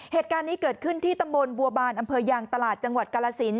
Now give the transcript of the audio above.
เหตุการณ์นี้เกิดขึ้นที่ตำบลบัวบานอำเภอยางตลาดจังหวัดกาลสิน